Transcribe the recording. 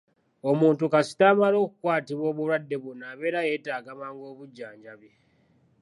Omuntu kasita amala okukwatibwa obulwadde buno abeera yeetaaga mangu obujjanjabi.